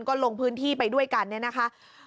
ก็ลงพื้นที่ไปด้วยกันเนี่ยนะคะ